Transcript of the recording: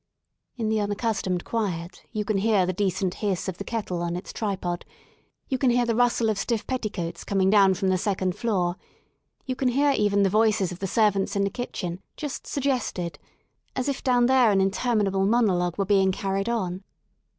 In the unaccustomed quiet you can hear the decent hiss of the kettle on its tripod, you can hear the rustle of stiff petticoats coming down from the second floor, you can hear even the voices of the servants in the kitchen, just suggested, as if down there an interminable monologue were being carried on.